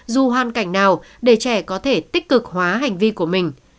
dù hoàn cảnh nào để trẻ có thể tích cực hóa hành vi của mình